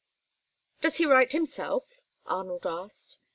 "Does he write himself?" Arnold asked.